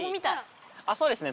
あっそうですね